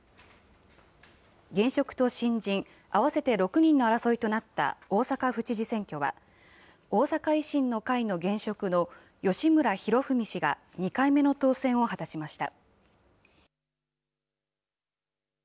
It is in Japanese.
現職と新人合わせて６人の争いとなった大阪府知事選挙は、大阪維新の会の現職の吉村洋文氏が２回目の当選を果たしました。